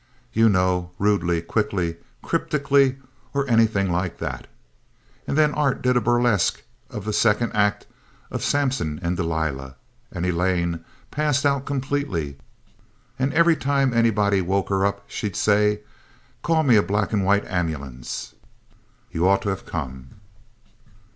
You know rudely, quickly, cryptically, or anything like that. And then Art did a burlesque of the second act of Samson and Delilah and Elaine passed out completely, and every time anybody woke her up she'd say, 'Call me a black and white ambulance.' You had ought to have come."